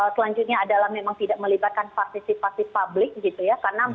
selanjutnya adalah memang tidak melibatkan partisipasi publik gitu ya